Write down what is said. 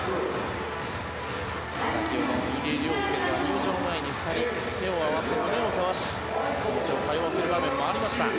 先ほどの入江陵介と入場前に２人手を合わせ胸をかわす場面もありました。